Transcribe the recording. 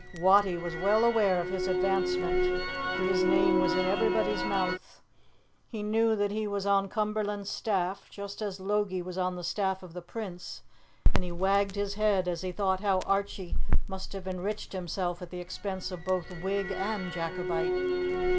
Wattie was well aware of his advancement, for his name was in everybody's mouth. He knew that he was on Cumberland's staff, just as Logie was on the staff of the Prince, and he wagged his head as he thought how Archie must have enriched himself at the expense of both Whig and Jacobite.